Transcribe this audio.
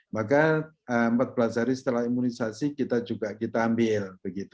maka empat belas hari setelah imunisasi kita juga kita ambil